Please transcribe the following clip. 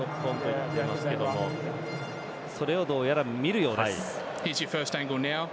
それをどうやら見るようです。